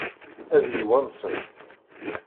Ad iyi-wansen?